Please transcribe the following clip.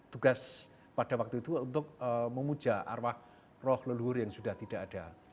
tugas pada waktu itu untuk memuja arwah roh leluhur yang sudah tidak ada